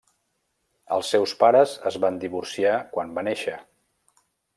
Els seus pares es van divorciar quan va néixer.